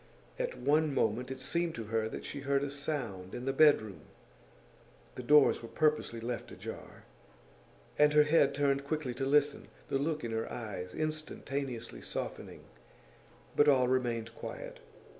At one moment it seemed to her that she heard a sound in the bedroom the doors were purposely left ajar and her head turned quickly to listen, the look in her eyes instantaneously softening; but all remained quiet.